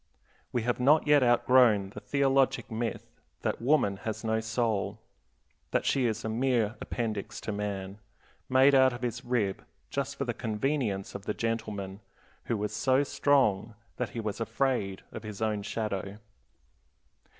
We have not yet outgrown the theologic myth that woman has no soul, that she is a mere appendix to man, made out of his rib just for the convenience of the gentleman who was so strong that he was afraid of his own shadow.